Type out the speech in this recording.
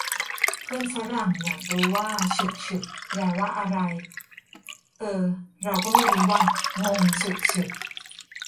เพื่อนฝรั่งอยากรู้ว่า 'ฉึกฉึก' แปลว่าอะไร เอ่อ เราก็ไม่รู้ว่ะ งงฉึกฉึก